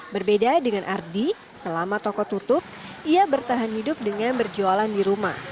berbeda dengan ardi selama toko tutup ia bertahan hidup dengan berjualan di rumah